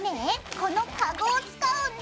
このカゴを使うんだ！